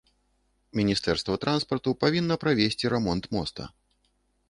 Міністэрства транспарту павінна правесці рамонт моста.